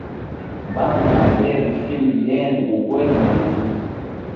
Bamba na bebe ufimba yende gukwele mwazi.